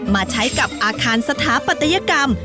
มาใช้กับอาคารสถาปัตยกรรม